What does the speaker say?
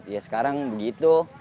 ya sekarang begitu